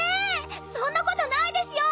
そんなことないですよ！